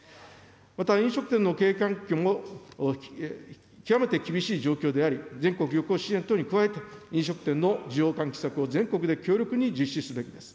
また、飲食店の経営環境も極めて厳しい状況であり、全国旅行支援等に加えて、飲食店の需要喚起策を全国で強力に実施すべきです。